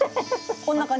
こんな感じ？